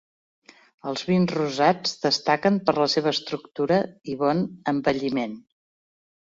Els vins rosats destaquen per la seva estructura i bon envelliment.